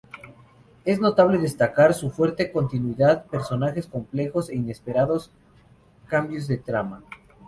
Es notable destacar su fuerte continuidad, personajes complejos e inesperados cambios de trama.